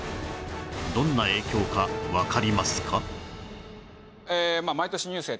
どんな影響かわかりますか？